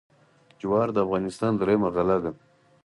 جوار د افغانستان درېیمه غله ده.